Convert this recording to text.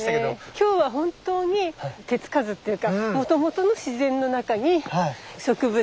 今日は本当に手付かずっていうかもともとの自然の中に植物